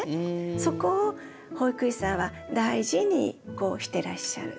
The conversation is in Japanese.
そこを保育士さんは大事にしてらっしゃる。